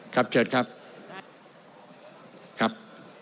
ครับเชิญครับ